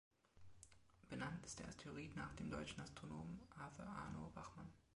Benannt ist der Asteroid nach dem deutschen Astronomen Arthur Arno Wachmann.